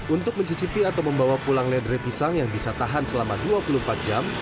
untuk mencicipi atau membawa pulang ledre pisang yang bisa tahan selama dua puluh empat jam